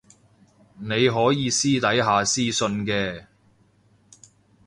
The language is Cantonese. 你可以私底下私訊嘅